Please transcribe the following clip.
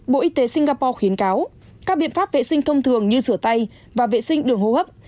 bộ y tế singapore khuyến cáo các biện pháp vệ sinh thông thường như rửa tay và vệ sinh đường hô hấp